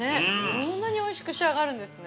こんなにおいしく仕上がるんですね。